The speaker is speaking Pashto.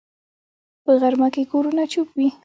په غرمه کې کورونه چوپ وي